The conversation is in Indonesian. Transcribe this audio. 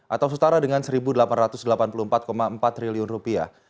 atau setara dengan satu delapan ratus delapan puluh empat empat triliun rupiah